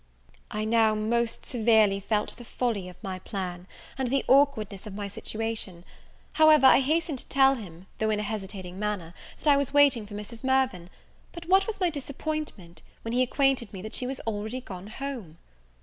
I now most severely felt the folly of my plan, and the awkwardness of my situation: however, I hastened to tell him, though in a hesitating manner, that I was waiting for Mrs. Mirvan; but what was my disappointment, when he acquainted me that she was already gone home!